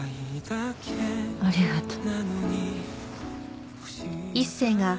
ありがとう。